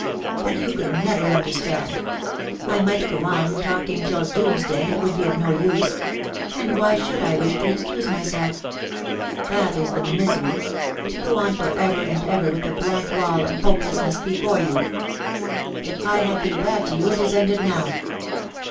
... But you could never understand ; I might go on talking till doomsday and it would be of no use — ^and why should I wish to excuse myself? That is the misery — to go on for ever and ever with a blank wall of hopelessness ^ IF I HA VE BEEN BAD TO YOU, IT IS ENDED: 323 before you. ... If L have been bad to you, it is ended now.